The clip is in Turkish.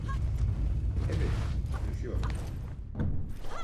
Evet, yaşıyor.